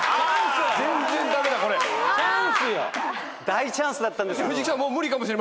大チャンスだったんですけど。